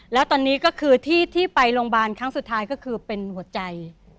แล้วตอนนี้ก็คือที่ไปโรงพยาบาลครั้งสุดท้ายก็คือเป็นหัวใจ